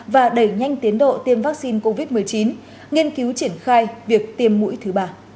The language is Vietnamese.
và đẩy nhanh tiến độ tiêm vaccine covid một mươi chín nghiên cứu triển khai việc tiêm mũi thứ ba